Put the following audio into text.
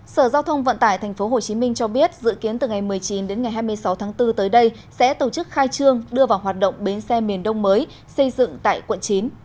sở giao thông vận tải tp hcm cho biết dự kiến từ ngày một mươi chín đến ngày hai mươi sáu tháng bốn tới đây sẽ tổ chức khai trương đưa vào hoạt động bến xe miền đông mới xây dựng tại quận chín